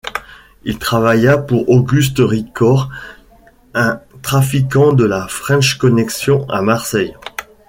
Il travailla pour Auguste Ricord, un trafiquant de la French connection à Marseille.